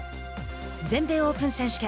全米オープン選手権。